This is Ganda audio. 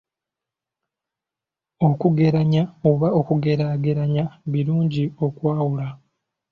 Okugeranya oba okugeraageranya birungi okwawula.